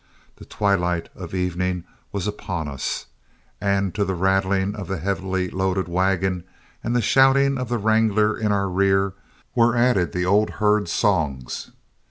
The twilight of evening was upon us, and to the rattling of the heavily loaded wagon and the shouting of the wrangler in our rear were added the old herd songs.